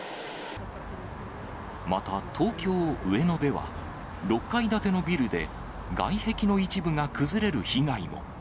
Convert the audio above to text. また東京・上野では、６階建てのビルで、外壁の一部が崩れる被害も。